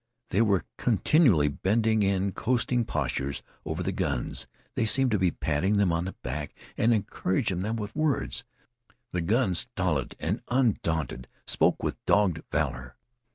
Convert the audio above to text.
They were continually bending in coaxing postures over the guns. They seemed to be patting them on the back and encouraging them with words. The guns, stolid and undaunted, spoke with dogged valor.